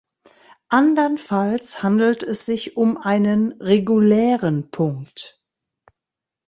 Andernfalls handelt es sich um einen "regulären Punkt".